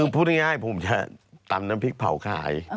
พูดง่ายผมจะตำน้ำพริกเผาขาย